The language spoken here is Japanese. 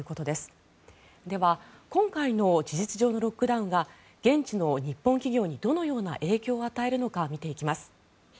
では今回の事実上のロックダウンが現地の日本企業にどのような影響を与えるのか見ていきます。